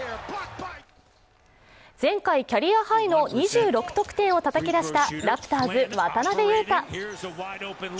前回、キャリアハイの２６得点をたたき出したラプターズ・渡邊雄太